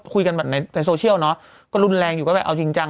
คุยกันแบบในโซเชียลเนอะก็รุนแรงอยู่ก็แบบเอาจริงจัง